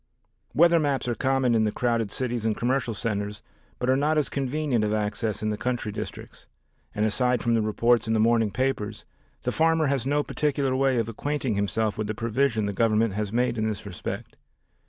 Weather maps are common in the crowded cities and commercial centers, but are not as convenient of access in the country districts, and aside from the reports in the morning papers, the farmer has no particular way of acquainting himself with the provision the Government has made in this respect.